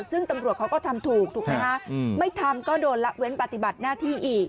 ซึ่งตำรวจเขาก็ทำถูกถูกไหมคะไม่ทำก็โดนละเว้นปฏิบัติหน้าที่อีก